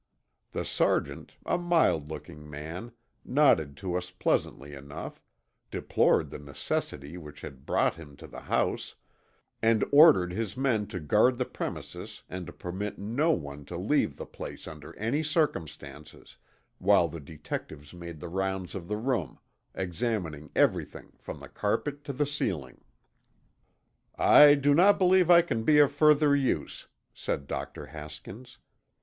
The Sergeant, a mild looking man, nodded to us pleasantly enough, deplored the necessity which had brought him to the house, and ordered his men to guard the premises and to permit no one to leave the place under any circumstances, while the detectives made the rounds of the room, examining everything from the carpet to the ceiling. "I do not believe I can be of further use," said Dr. Haskins.